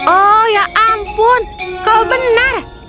oh ya ampun kau benar